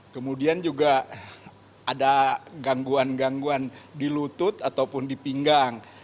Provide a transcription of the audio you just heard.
kemudian juga ada gangguan gangguan di lutut ataupun di pinggang